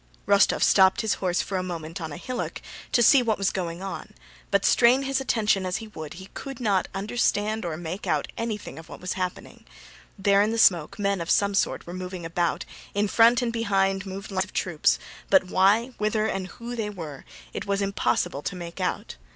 Rostóv stopped his horse for a moment on a hillock to see what was going on, but strain his attention as he would he could not understand or make out anything of what was happening: there in the smoke men of some sort were moving about, in front and behind moved lines of troops; but why, whither, and who they were, it was impossible to make out.